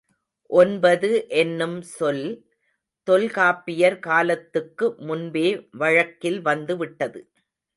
ஒன்பது என்னும் சொல் தொல்காப்பியர் காலத்துக்கு முன்பே வழக்கில் வந்து விட்டது.